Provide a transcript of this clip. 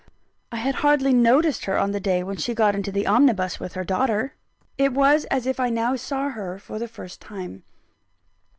I had hardly noticed her on the day when she got into the omnibus with her daughter it was as if I now saw her for the first time.